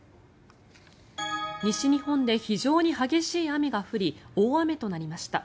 西日本で非常に激しい雨が降り大雨となりました。